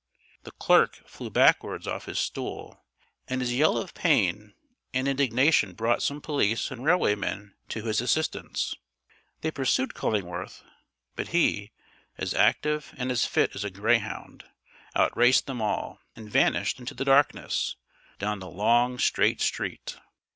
The clerk flew backwards off his stool, and his yell of pain and indignation brought some police and railway men to his assistance. They pursued Cullingworth; but he, as active and as fit as a greyhound, outraced them all, and vanished into the darkness, down the long, straight street.